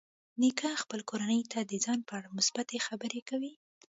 نیکه خپل کورنۍ ته د ځان په اړه مثبتې خبرې کوي.